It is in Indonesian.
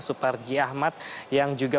suparji ahmad yang juga